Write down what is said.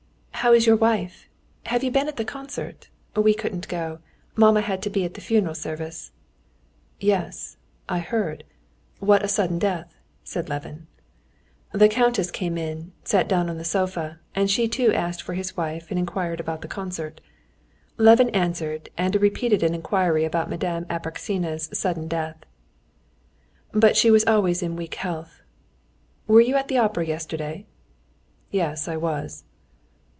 "How is your wife? Have you been at the concert? We couldn't go. Mamma had to be at the funeral service." "Yes, I heard.... What a sudden death!" said Levin. The countess came in, sat down on the sofa, and she too asked after his wife and inquired about the concert. Levin answered, and repeated an inquiry about Madame Apraksina's sudden death. "But she was always in weak health." "Were you at the opera yesterday?" "Yes, I was."